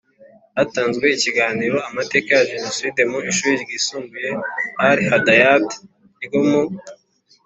Hatanzwe ikiganiro amateka ya jenoside mu ishuri ryisumbuye al hidayat ryo mu